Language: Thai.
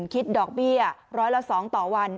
คิดดอกเบี้ยร้อยละ๒ต่อวัน